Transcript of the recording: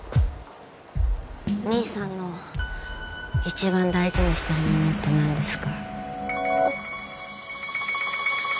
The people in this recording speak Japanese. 兄さんの一番大事にしてるものって何ですか？